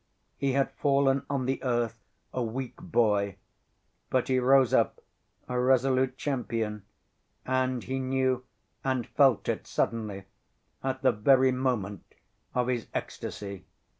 He had fallen on the earth a weak boy, but he rose up a resolute champion, and he knew and felt it suddenly at the very moment of his ecstasy.